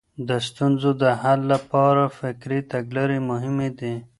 د ستونزو د حل لپاره فکري تګلارې مهمې دي.